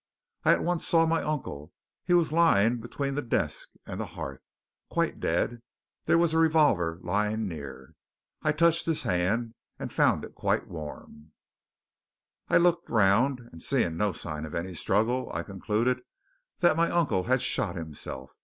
I at once saw my uncle he was lying between the desk and the hearth, quite dead. There was a revolver lying near. I touched his hand and found it was quite warm. "'"I looked round, and seeing no sign of any struggle, I concluded that my uncle had shot himself.